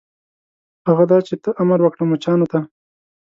هغه دا چې ته امر وکړه مچانو ته.